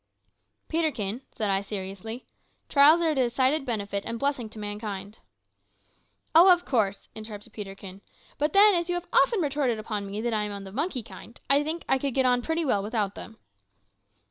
"Peterkin," said I seriously, "trials are a decided benefit and blessing to mankind " "Oh, of course," interrupted Peterkin; "but then, as you have often retorted upon me that I am of the monkey kind, I think that I could get on pretty well without them."